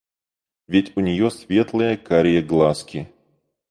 Ведь у нее светлые карие глазки.